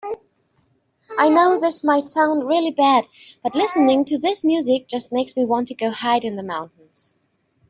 I know this might sound really bad, but listening to this music just makes me want to go hide in the mountains.